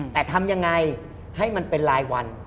แต่ทำยังไงให้มันเป็นรายวัน